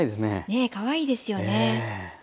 ねえかわいいですよね。